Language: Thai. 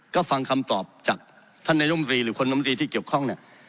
ก็ฟังคำตอบจากท่านนายมรีหรือคนนมตรีที่เกี่ยวข้องเนี่ย